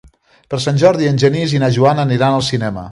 Per Sant Jordi en Genís i na Joana aniran al cinema.